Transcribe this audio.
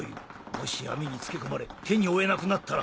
もし闇につけ込まれ手に負えなくなったら。